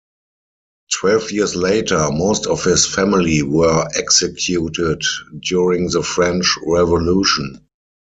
Twelve years later most of his family were executed during the French Revolution.